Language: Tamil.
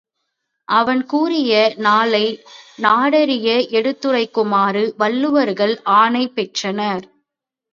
அவன் கூறிய நாளை நாடறிய எடுத்துரைக்குமாறு வள்ளுவர்கள் ஆணை பெற்றனர்.